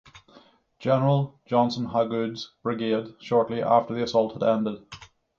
General Johnson Hagood's brigade shortly after the assault had ended.